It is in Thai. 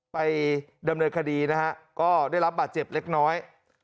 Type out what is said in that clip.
ไปดำเนินคดีนะฮะก็ได้รับบาดเจ็บเล็กน้อย